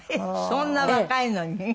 そんな若いのに？